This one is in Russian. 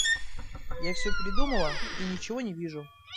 Я всё передумала и ничего не вижу.